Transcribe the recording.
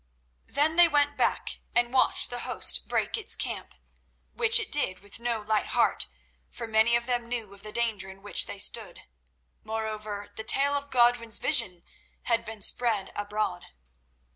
Then they went back and watched the host break its camp, which it did with no light heart, for many of them knew of the danger in which they stood; moreover, the tale of Godwin's vision had been spread abroad.